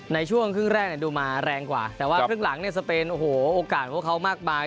ในช่วงครึ่งแรกดูมาแรงกว่าแต่ว่าครึ่งหลังเนี่ยสเปนโอ้โหโอกาสพวกเขามากมาย